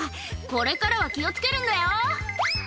これからは気を付けるんだよ」